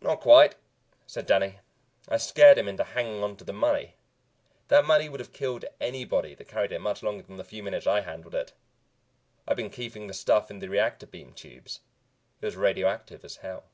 "Not quite," said Danny. "I scared him into hanging onto the money. That money would have killed anybody that carried it much longer than the few minutes I handled it. I'd been keeping the stuff in the reactor beam tubes. It was radioactive as hell."